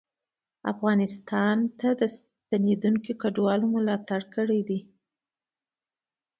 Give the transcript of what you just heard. افغانستان ته ستنېدونکو کډوالو ملاتړ کړی دی